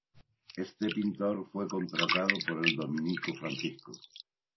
Este pintor fue contratado por el dominico Fr.